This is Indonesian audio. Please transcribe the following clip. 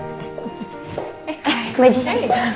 eh mbak jessy